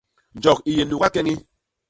Njok i yé nuga keñi.